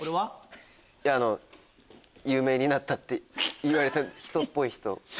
いや有名になったっていわれた人っぽい人。